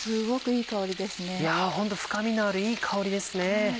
いやホント深みのあるいい香りですね。